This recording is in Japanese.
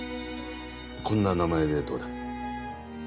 こんな名前でどうだ？